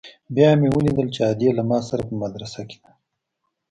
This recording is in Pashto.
بيا مې وليدل چې ادې له ما سره په مدرسه کښې ده.